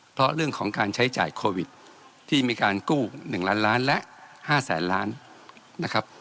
เพราะเรื่องของการใช้จ่ายโควิดที่มีการกู้๑ล้านล้านและ๕แสนล้านนะครับ